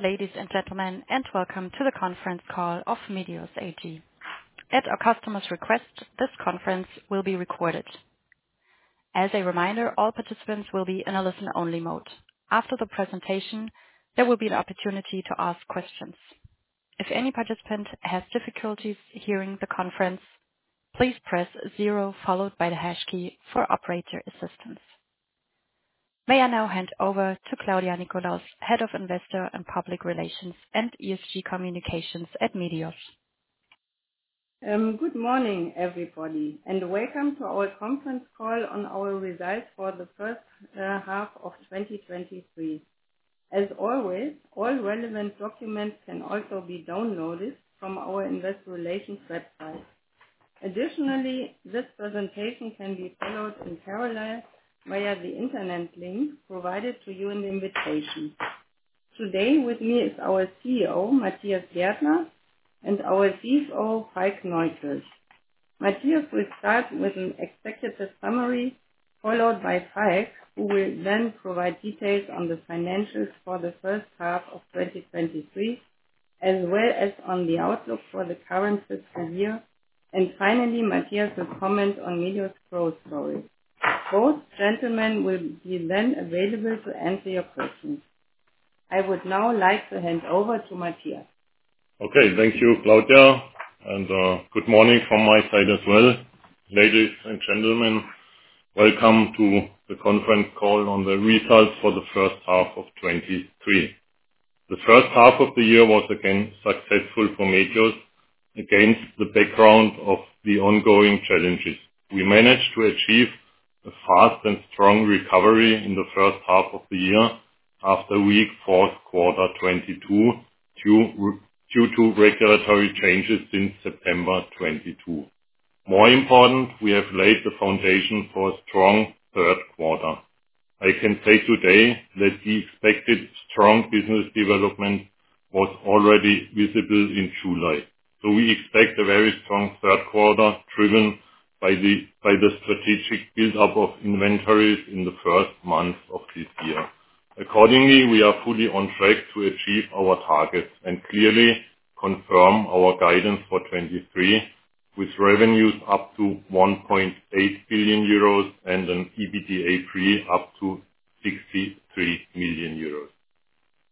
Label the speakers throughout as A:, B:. A: Hello, ladies and gentlemen, and welcome to the conference call of Medios AG. At our customer's request, this conference will be recorded. As a reminder, all participants will be in a listen-only mode. After the presentation, there will be an opportunity to ask questions. If any participant has difficulties hearing the conference, please press zero, followed by the hash key for operator assistance. May I now hand over to Claudia Nickolaus, Head of Investor and Public Relations and ESG Communications at Medios.
B: Good morning, everybody, and welcome to our conference call on our results for the first half of 2023. As always, all relevant documents can also be downloaded from our investor relations website. Additionally, this presentation can be followed in parallel via the internet link provided to you in the invitation. Today, with me is our CEO, Matthias Gaertner, and our CFO, Falk Neukirch. Matthias will start with an executive summary, followed by Falk, who will then provide details on the financials for the first half of 2023, as well as on the outlook for the current fiscal year. Finally, Matthias will comment on Medios' growth story. Both gentlemen will be then available to answer your questions. I would now like to hand over to Matthias.
C: Thank you, Claudia, good morning from my side as well. Ladies and gentlemen, welcome to the conference call on the results for the first half of 2023. The first half of the year was again successful for Medios against the background of the ongoing challenges. We managed to achieve a fast and strong recovery in the first half of the year, after a weak fourth quarter 2022, due to regulatory changes since September 2022. More important, we have laid the foundation for a strong third quarter. I can say today that the expected strong business development was already visible in July. We expect a very strong third quarter, driven by the strategic build-up of inventories in the first months of this year. Accordingly, we are fully on track to achieve our targets and clearly confirm our guidance for 2023, with revenues up to 1.8 billion euros and an EBITDA pre up to 63 million euros.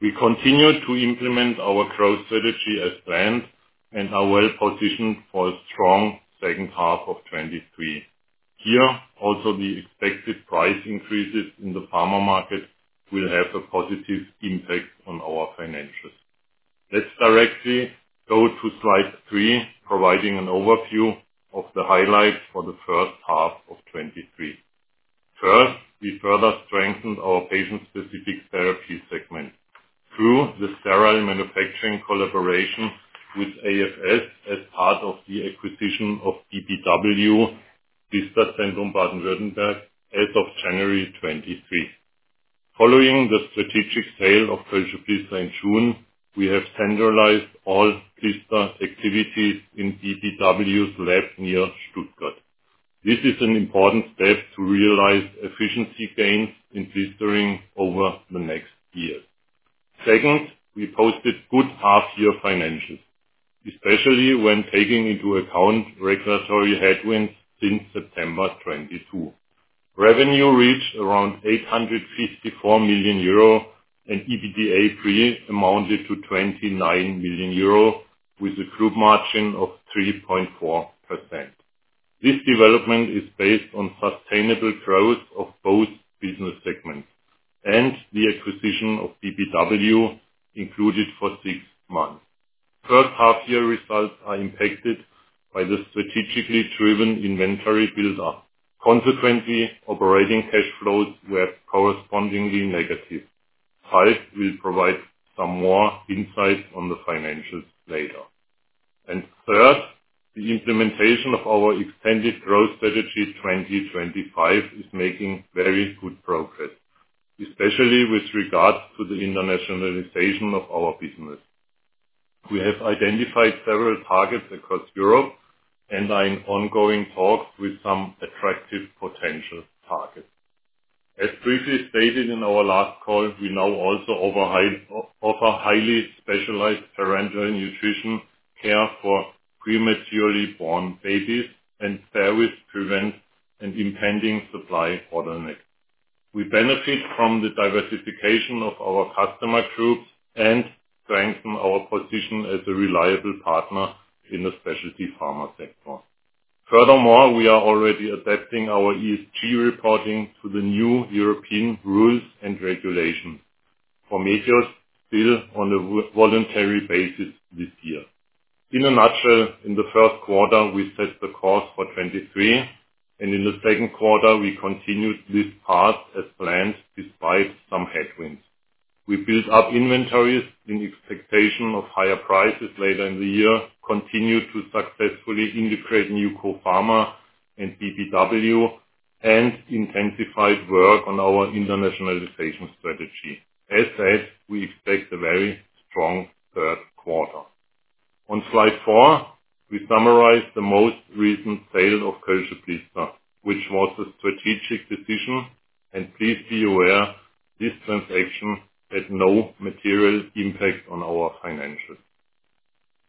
C: We continue to implement our Growth Strategy as planned and are well positioned for a strong second half of 2023. Here, also, the expected price increases in the pharma market will have a positive impact on our financials. Let's directly go to slide three, providing an overview of the highlights for the first half of 2023. First, we further strengthened our Patient-Specific Therapies segment through the sterile manufacturing collaboration with AfS as part of the acquisition of bbw, vista and Baden-Württemberg, as of January 2023. Following the strategic sale of Kölsche Blister in June, we have centralized all vista activities in bbw's lab near Stuttgart. This is an important step to realize efficiency gains in blistering over the next year. Second, we posted good half-year financials, especially when taking into account regulatory headwinds since September 2022. Revenue reached around 854 million euro, and EBITDA pre amounted to 29 million euro, with a group margin of 3.4%. This development is based on sustainable growth of both business segments and the acquisition of bbw, included for 6 months. First half-year results are impacted by the strategically driven inventory build-up. Operating cash flows were correspondingly negative. Falk will provide some more insight on the financials later. Third, the implementation of our extended Growth Strategy 2025, is making very good progress, especially with regards to the internationalization of our business. We have identified several targets across Europe and are in ongoing talks with some attractive potential targets. As briefly stated in our last call, we now also offer highly specialized parenteral nutrition care for prematurely born babies, and service prevents an impending supply bottleneck. We benefit from the diversification of our customer groups and strengthen our position as a reliable partner in the Specialty Pharma sector. Furthermore, we are already adapting our ESG reporting to the new European rules and regulations. For Medios, still on a voluntary basis this year. In a nutshell, in the first quarter, we set the course for 2023, and in the second quarter, we continued this path as planned, despite some headwinds. We built up inventories in expectation of higher prices later in the year, continued to successfully integrate NewCo Pharma and bbw, and intensified work on our internationalization strategy. As said, we expect a very strong third quarter. On Slide 4, we summarize the most recent sale of Kölsche Blister, which was a strategic decision. Please be aware, this transaction had no material impact on our financials.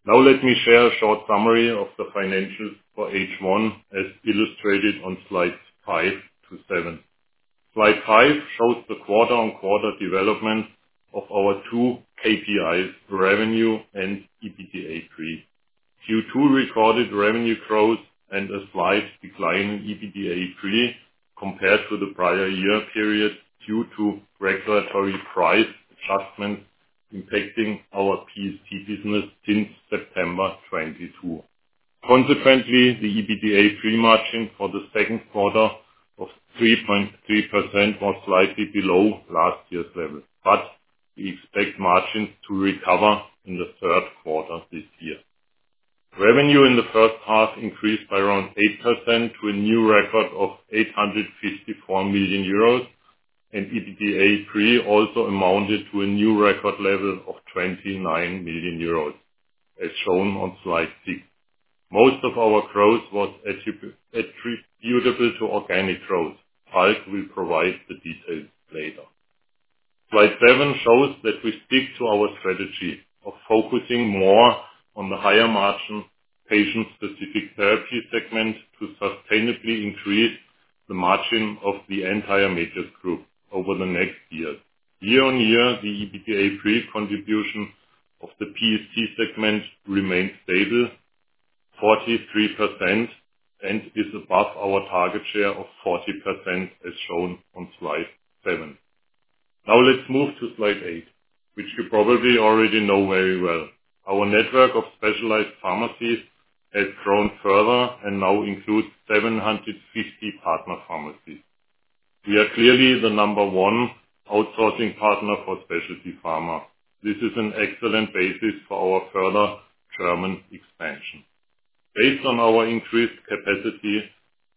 C: Now let me share a short summary of the financials for H1, as illustrated on Slides 5 to 7. Slide 5 shows the quarter-on-quarter development of our 2 KPIs, revenue and EBITDA pre. Q2 recorded revenue growth and a slight decline in EBITDA pre, compared to the prior year period, due to regulatory price adjustments impacting our PST business since September 2022. Consequently, the EBITDA pre-merging for the second quarter of 3.3% was slightly below last year's level, but we expect margins to recover in the third quarter this year. Revenue in the first half increased by around 8% to a new record of 854 million euros, and EBITDA pre also amounted to a new record level of 29 million euros, as shown on Slide 6. Most of our growth was attributable to organic growth. Falk will provide the details later. Slide 7 shows that we stick to our strategy of focusing more on the higher margin, Patient-Specific Therapies segment, to sustainably increase the margin of the entire Medios Group over the next year. Year-on-year, the EBITDA pre contribution of the PST segment remained stable, 43%, and is above our target share of 40%, as shown on Slide 7. Now let's move to Slide 8, which you probably already know very well. Our network of specialized pharmacies has grown further and now includes 750 partner pharmacies. We are clearly the number one outsourcing partner for Specialty Pharma. This is an excellent basis for our further German expansion. Based on our increased capacity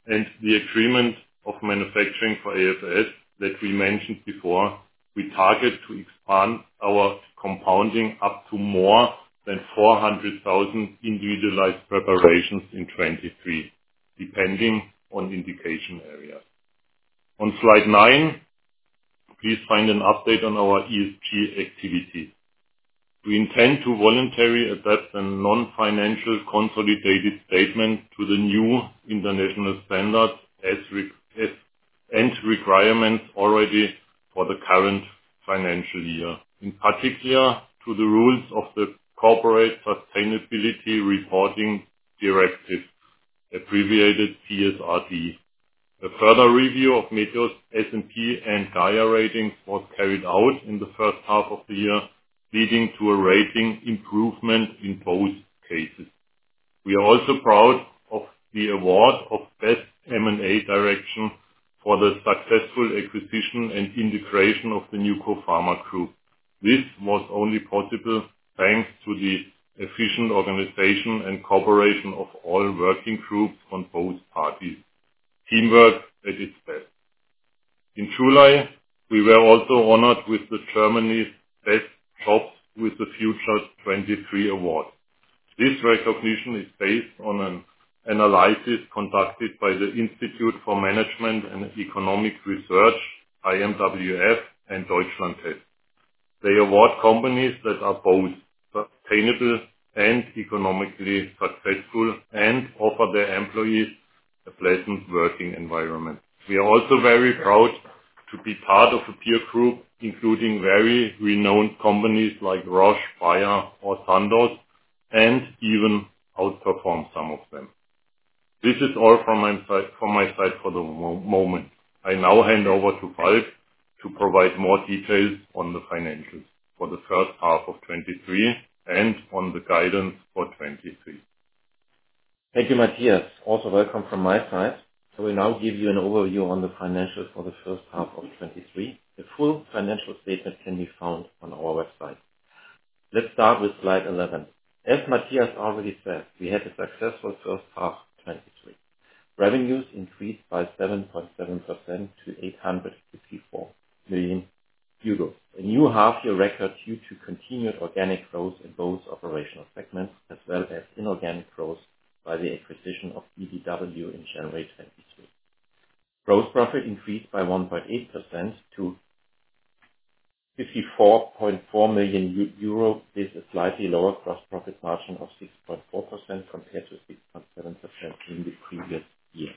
C: and the agreement of manufacturing for AfS that we mentioned before, we target to expand our compounding up to more than 400,000 individualized preparations in 2023, depending on indication area. On Slide 9, please find an update on our ESG activity. We intend to voluntarily adopt a non-financial consolidated statement to the new international standard, and requirements already for the current financial year, in particular to the rules of the Corporate Sustainability Reporting Directive, abbreviated CSRD. A further review of Medios S&P and Gaïa ratings was carried out in the first half of the year, leading to a rating improvement in both cases. We are also proud of the award of Best M&A Production for the successful acquisition and integration of the NewCo Pharma Group. This was only possible thanks to the efficient organization and cooperation of all working groups on both parties. Teamwork at its best. In July, we were also honored with the Germany's Best Jobs with a Future 2023 Award. This recognition is based on an analysis conducted by the Institute for Management and Economic Research, IMWF, and Deutschland Test. They award companies that are both sustainable and economically successful, and offer their employees a pleasant working environment. We are also very proud to be part of a peer group, including very renowned companies like Roche, Bayer or Sandoz, and even outperform some of them. This is all from my side, from my side for the moment. I now hand over to Falk to provide more details on the financials for the first half of 2023, and on the guidance for 2023.
D: Thank you, Matthias. Welcome from my side. I will now give you an overview on the financials for the first half of 2023. The full financial statement can be found on our website. Let's start with Slide 11. As Matthias already said, we had a successful first half, 2023. Revenues increased by 7.7% to 854 million euros. A new half-year record due to continued organic growth in both operational segments, as well as inorganic growth by the acquisition of bbw in January 2022. Gross profit increased by 1.8% to 54.4 million euro, with a slightly lower gross profit margin of 6.4% compared to 6.7% in the previous year.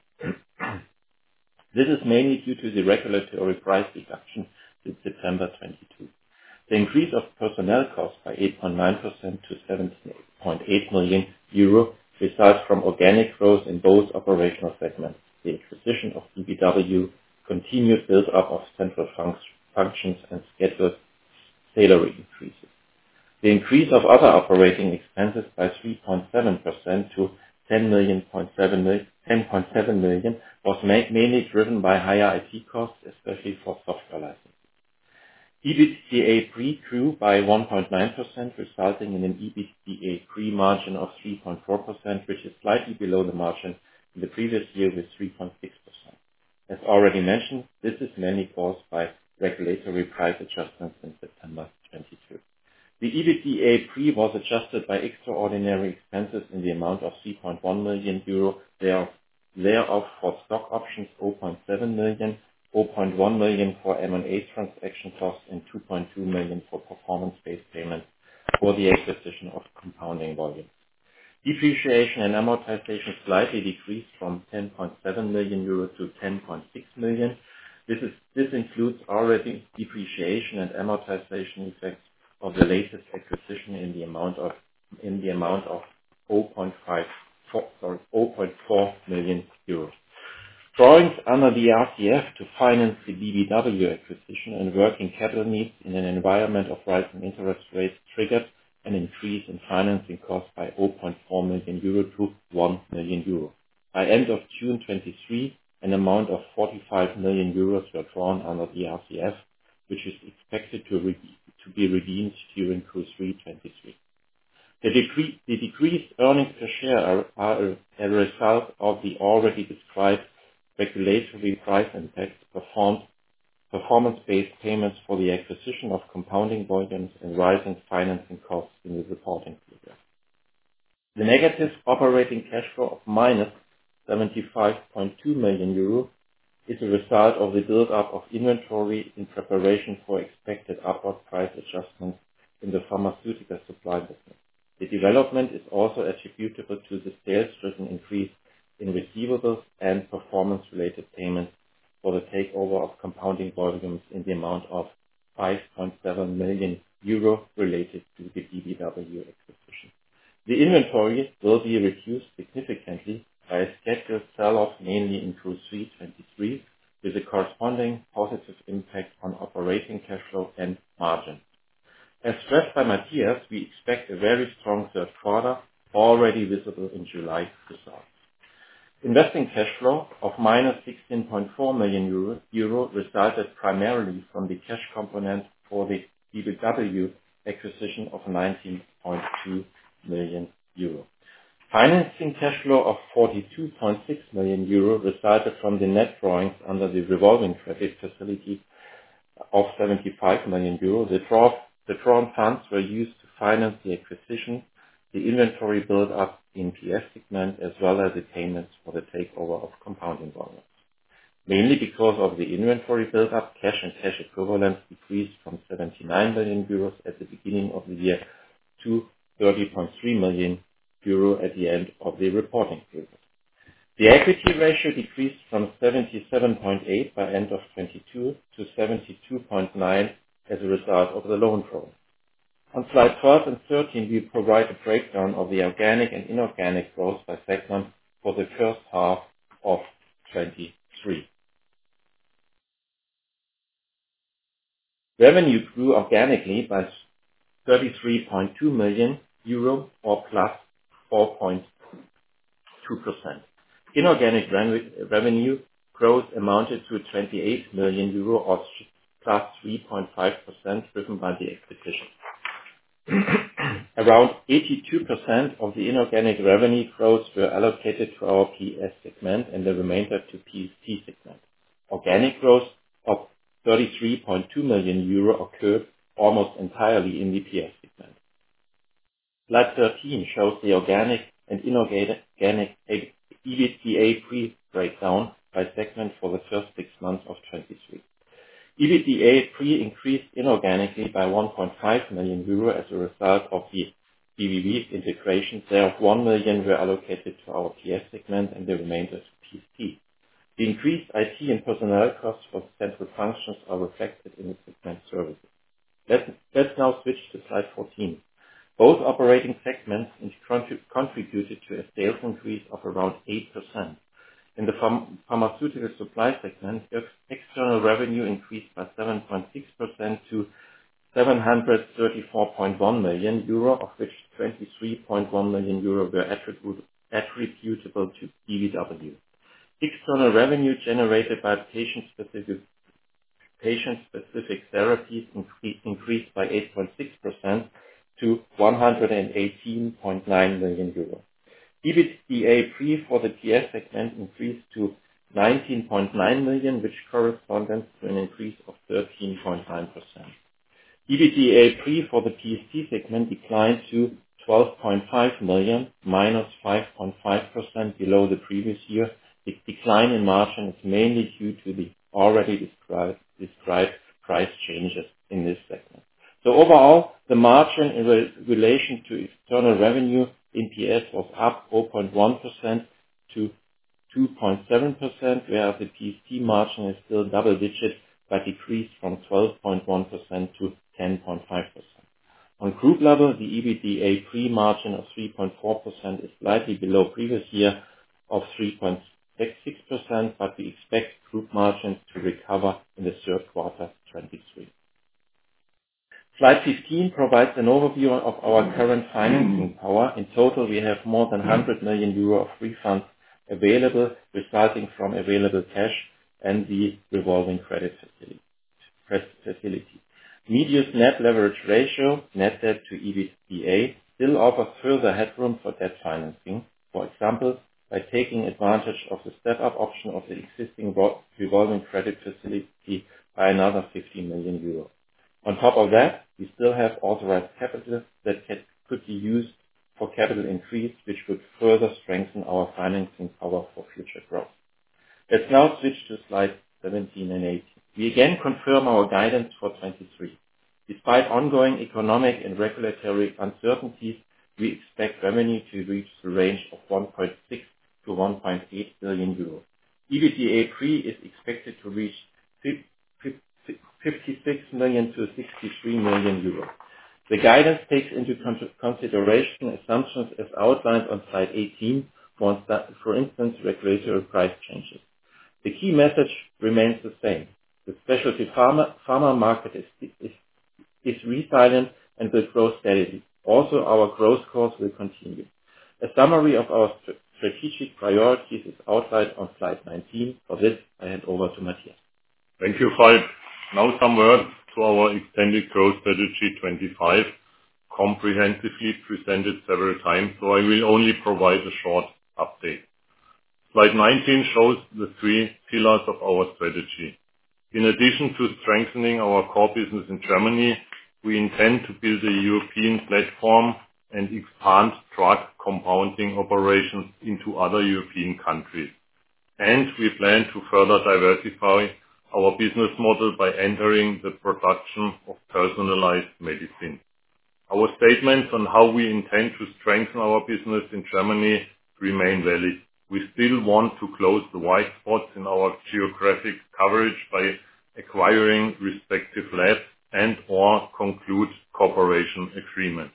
D: This is mainly due to the regulatory price reduction since December 2022. The increase of personnel costs by 8.9% to 17.8 million euro, results from organic growth in both operational segments. The acquisition of bbw continued build-up of central functions and scheduled salary increases. The increase of other operating expenses by 3.7% to 10.7 million, was mainly driven by higher IT costs, especially for software licensing. EBITDA pre grew by 1.9%, resulting in an EBITDA pre-margin of 3.4%, which is slightly below the margin in the previous year, with 3.6%. As already mentioned, this is mainly caused by regulatory price adjustments in September 2022. The EBITDA pre was adjusted by extraordinary expenses in the amount of 3.1 million euro, thereof for stock options, 0.7 million, 0.1 million for M&A transaction costs, and 2.2 million for performance-based payments for the acquisition of Compounding Volume. Depreciation and amortization slightly decreased from 10.7 million euros to 10.6 million. This includes already depreciation and amortization effect of the latest acquisition in the amount of 0.4 million euros. Drawings under the RCF to finance the bbw acquisition and working capital needs in an environment of rising interest rates triggered an increase in financing costs by 0.4 million euro to 1 million euro. By end of June 2023, an amount of 45 million euros were drawn under the RCF, which is expected to be redeemed during Q3 2023. The decreased earnings per share are a result of the already described regulatory price impact, performance-based payments for the acquisition of compounding volumes and rising financing costs in the reporting period. The negative operating cash flow of minus 75.2 million euro is a result of the build-up of inventory in preparation for expected upward price adjustments in the Pharmaceutical Supply business. The development is also attributable to the sales-driven increase in receivables and performance-related payments for the takeover of compounding volumes in the amount of 5.7 million euro, related to the bbw acquisition. The inventory will be reduced significantly by a scheduled sell-off, mainly in Q3 '23, with a corresponding positive impact on operating cash flow and margin. As stressed by Matthias, we expect a very strong third quarter, already visible in July results. Investing cash flow of -16.4 million euro resulted primarily from the cash component for the bbw acquisition of 19.2 million euro. Financing cash flow of 42.6 million euro resulted from the net drawings under the revolving credit facility of 75 million euro. The drawn funds were used to finance the acquisition, the inventory build-up in PS segment, as well as the payments for the takeover of compounding volumes. Mainly because of the inventory build-up, cash and cash equivalents decreased from 79 million euros at the beginning of the year to 30.3 million euros at the end of the reporting period. The equity ratio decreased from 77.8% by end of 2022, to 72.9% as a result of the loan draw. On slide 12 and 13, we provide a breakdown of the organic and inorganic growth by segment for the first half of 2023. Revenue grew organically by 33.2 million euro, or +4.2%. Inorganic revenue, revenue growth amounted to 28 million euro or +3.5%, driven by the acquisition. Around 82% of the inorganic revenue growth were allocated to our PS segment, and the remainder to PST segment. Organic growth of 33.2 million euro occurred almost entirely in the PS segment. Slide 13 shows the organic and inorganic EBITDA pre-breakdown by segment for the first six months of 2023. EBITDA pre increased inorganically by 1.5 million euro as a result of the bbw integration. There, 1 million were allocated to our PS segment, and the remainder to PST. The increased IT and personnel costs for central functions are reflected in the segment services. Let's now switch to slide 14. Both operating segments contributed to a sales increase of around 8%. In the Pharmaceutical Supply segment, its external revenue increased by 7.6% to 734.1 million euro, of which 23.1 million euro were attributable to bbw. External revenue generated by Patient-Specific Therapies increased by 8.6% to 118.9 million euro. EBITDA pre for the PS segment increased to 19.9 million, which corresponds to an increase of 13.9%. EBITDA pre for the PST segment declined to 12.5 million, -5.5% below the previous year. The decline in margin is mainly due to the already described price changes in this segment. Overall, the margin in relation to external revenue in PS was up 4.1% to 2.7%, whereas the PST margin is still double digits, decreased from 12.1% to 10.5%. On group level, the EBITDA pre-margin of 3.4% is slightly below previous year of 3.66%, we expect group margins to recover in the third quarter 2023. Slide 15 provides an overview of our current financing power. In total, we have more than 100 million euro of free funds available, resulting from available cash and the revolving credit facility. Medios net leverage ratio, net debt to EBITDA, still offers further headroom for debt financing. For example, by taking advantage of the step-up option of the existing revolving credit facility by another 15 million euros. On top of that, we still have authorized capital that could be used for capital increase, which would further strengthen our financing power for future growth. Let's now switch to slide 17 and 18. We again confirm our guidance for 2023. Despite ongoing economic and regulatory uncertainties, we expect revenue to reach the range of 1.6 million-1.8 million euros. EBITDA pre is expected to reach 56 million-63 million euros. The guidance takes into consideration assumptions as outlined on slide 18, for instance, regulatory price changes. The key message remains the same, the specialty pharma market is resilient and with growth stability. Our growth course will continue. A summary of our strategic priorities is outside on slide 19. For this, I hand over to Matthias.
C: Thank you, Falk. Now some word to our extended Growth Strategy 2025, comprehensively presented several times, so I will only provide a short update. Slide 19 shows the three pillars of our strategy. In addition to strengthening our core business in Germany, we intend to build a European platform and expand drug compounding operations into other European countries. We plan to further diversify our business model by entering the production of personalized medicine. Our statements on how we intend to strengthen our business in Germany remain valid. We still want to close the white spots in our geographic coverage by acquiring respective labs and/or conclude cooperation agreement.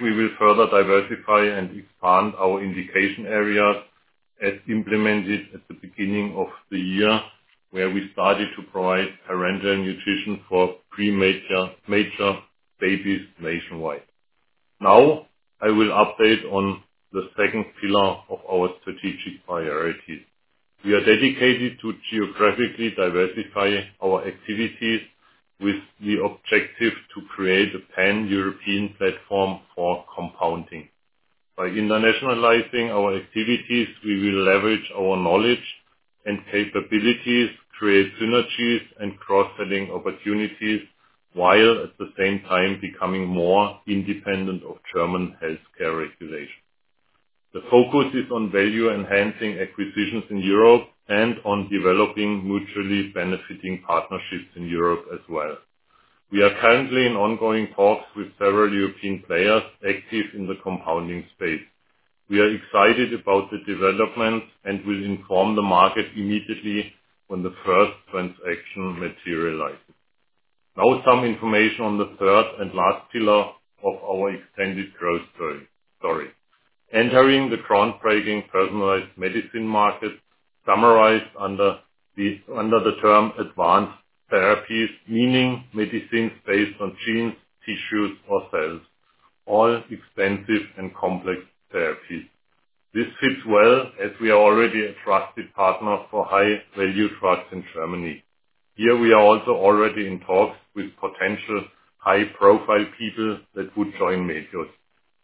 C: We will further diversify and expand our indication areas as implemented at the beginning of the year, where we started to provide parenteral nutrition for premature, mature babies nationwide. Now, I will update on the second pillar of our strategic priorities. We are dedicated to geographically diversify our activities with the objective to create a Pan-European platform for compounding. By internationalizing our activities, we will leverage our knowledge and capabilities, create synergies and cross-selling opportunities, while at the same time becoming more independent of German healthcare regulation. The focus is on value-enhancing acquisitions in Europe and on developing mutually benefiting partnerships in Europe as well. We are currently in ongoing talks with several European players active in the compounding space. We are excited about the development and will inform the market immediately when the first transaction materializes. Now, some information on the third and last pillar of our extended growth story. Entering the groundbreaking personalized medicine market, summarized under the term advanced therapies, meaning medicines based on genes, tissues, or cells, all expensive and complex therapies. This fits well as we are already a trusted partner for high-value drugs in Germany. Here, we are also already in talks with potential high-profile people that would join Medios.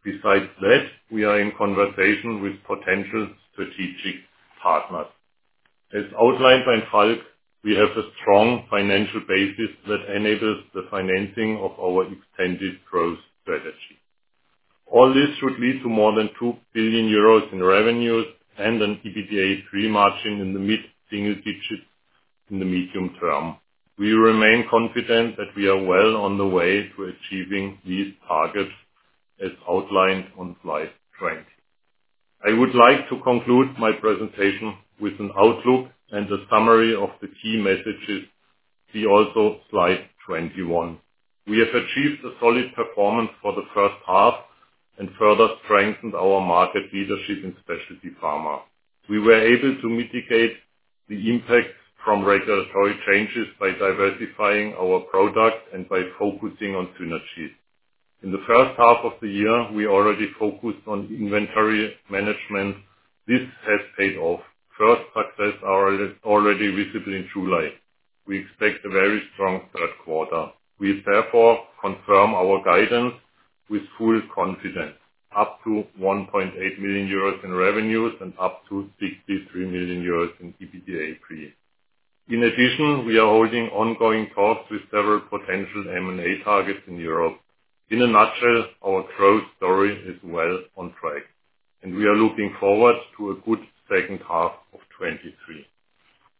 C: Besides that, we are in conversation with potential strategic partners. As outlined by Falk, we have a strong financial basis that enables the financing of our extended Growth Strategy. All this should lead to more than 2 billion euros in revenues and an EBITDA pre-merging in the mid-single digits in the medium term. We remain confident that we are well on the way to achieving these targets, as outlined on slide 20. I would like to conclude my presentation with an outlook and a summary of the key messages, see also slide 21. We have achieved a solid performance for the first half and further strengthened our market leadership in Specialty Pharma. We were able to mitigate the impact from regulatory changes by diversifying our product and by focusing on synergies. In the first half of the year, we already focused on inventory management. This has paid off. First success are already visible in July. We expect a very strong third quarter. We therefore confirm our guidance with full confidence, up to 1.8 million euros in revenues and up to 63 million euros in EBITDA pre. In addition, we are holding ongoing talks with several potential M&A targets in Europe. In a nutshell, our growth story is well on track, and we are looking forward to a good second half of 2023.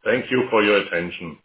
C: Thank you for your attention!